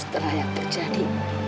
setelah yang terjadi